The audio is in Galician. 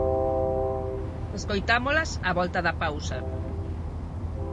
Escoitámolas á volta da pausa.